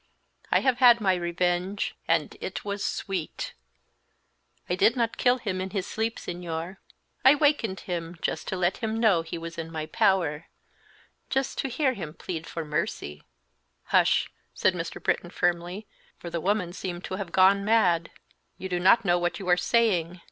I have had my revenge, and it was sweet! I did not kill him in his sleep, Señor; I wakened him, just to let him know he was in my power, just to hear him plead for mercy " "Hush!" said Mr. Britton, firmly, for the woman seemed to have gone mad. "You do not know what you are saying.